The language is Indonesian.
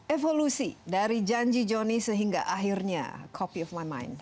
evolusi dari janji johnny sehingga akhirnya copy of line mind